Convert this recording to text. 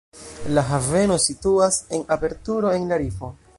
La haveno situas en aperturo en la rifo.